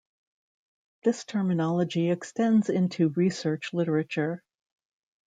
This terminology extends into research literature.